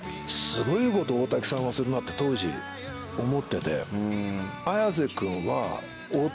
すごいことを大滝さんはするなって当時思ってて。